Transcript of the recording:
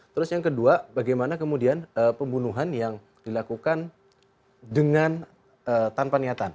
terus yang kedua bagaimana kemudian pembunuhan yang dilakukan dengan tanpa niatan